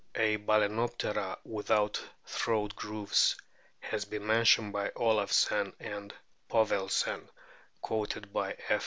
A Bal&noptera without throat grooves has been mentioned by Olafsen and Povelsen (quoted by F.